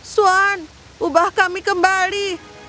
swan ubah kami kembali